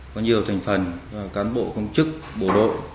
có nhiều thành phần cán bộ công chức bộ đội